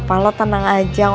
ntar lo juga tau